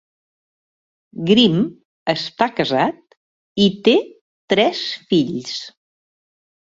Grimm està casat i té tres fills.